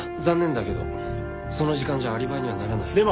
残念だけどその時間じゃアリバイにはならない。